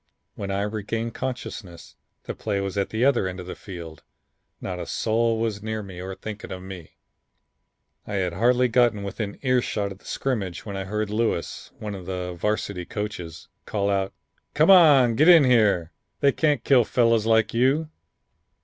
When I regained consciousness the play was at the other end of the field, not a soul was near me or thinking of me. I had hardly got within ear shot of the scrimmage when I heard Lewis, one of the Varsity coaches, call out, 'Come on, get in here, they can't kill fellows like you.'